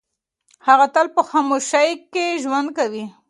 هغه تل په خپلې خاموشۍ کې ژوند کوي.